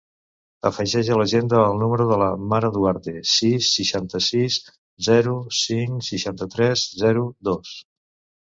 Afegeix a l'agenda el número de la Mara Duarte: sis, seixanta-sis, zero, cinc, seixanta-tres, zero, dos.